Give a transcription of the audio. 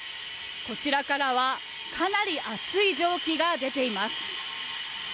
こちらからはかなり熱い蒸気が出ています。